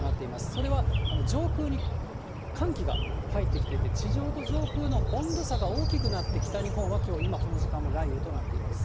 それは上空に寒気が入ってきていて、地上と上空の温度差が大きくなって、北日本は、きょう今この時間は雷雨となっています。